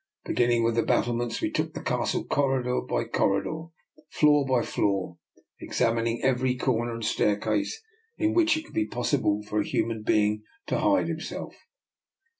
Beginning with the bat tlements, we took the Castle corridor by cor ridor, floor by floor, examining every corner and staircase in which it would be possible for a human being to hide himself.